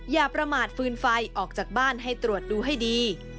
อย่าประมาทฟืนไฟออกจากบ้านให้ตรวจดูให้ดี